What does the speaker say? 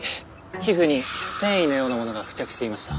皮膚に繊維のようなものが付着していました。